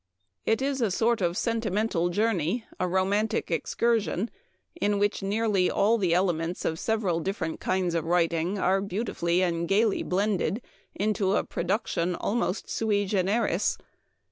It is a sort of sentimental journey, a romantic excursion, in which nearly all the elements of several different kinds of writing are beautifully and gayly blended 2 1 8 Memoir of Washington Irving* into a production almost sui generis."